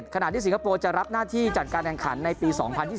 สิงคโปร์จะรับหน้าที่จัดการแข่งขันในปี๒๐๒๐